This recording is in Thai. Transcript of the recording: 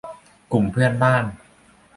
กลุ่มเพื่อนบ้าน